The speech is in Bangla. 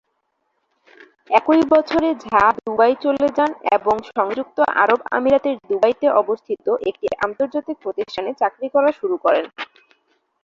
একই বছরে ঝা দুবাই চলে যান এবং সংযুক্ত আরব আমিরাতের দুবাইতে অবস্থিত একটি আন্তর্জাতিক প্রতিষ্ঠানে চাকরি করা শুরু করেন।